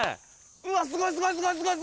うわすごいすごいすごい。